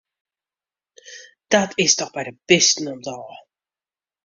Dat is dochs by de bisten om't ôf!